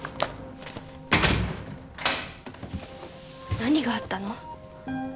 何があったの？